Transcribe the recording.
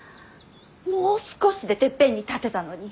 もう少しでてっぺんに立てたのに！